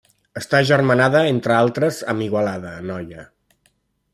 Està agermanada entre altres amb Igualada, Anoia.